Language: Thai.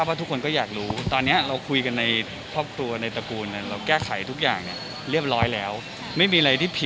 เพราะตอนนี้ว่างมากนะครับเพราะก็พี่ธิกันบรรดิ